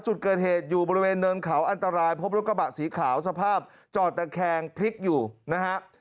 จุดเกิดเหตุอยู่บริเวณเนินเขาอันตรายพบรถกระบะสีขาวสภาพจอดตะแคงพลิกอยู่นะฮะ